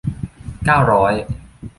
เก้าร้อย